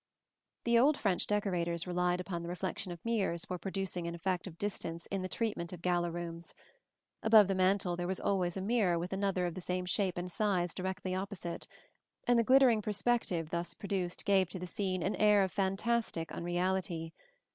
] The old French decorators relied upon the reflection of mirrors for producing an effect of distance in the treatment of gala rooms. Above the mantel, there was always a mirror with another of the same shape and size directly opposite; and the glittering perspective thus produced gave to the scene an air of fantastic unreality.